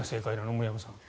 森山さん。